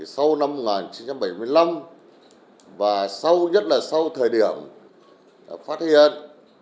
sau năm một nghìn chín trăm bảy mươi năm và sau nhất là sau thời điểm phát hiện